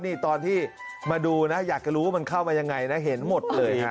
นี่ตอนที่มาดูนะอยากจะรู้ว่ามันเข้ามายังไงนะเห็นหมดเลยฮะ